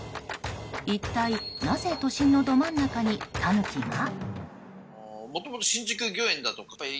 一体なぜ、都心のど真ん中にタヌキが？